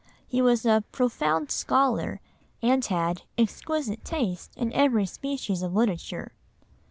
He was a "profound scholar" and had "exquisite taste in every species of literature."